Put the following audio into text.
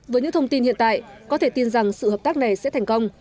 với những thông tin hiện tại có thể tin rằng sự hợp tác này sẽ thành công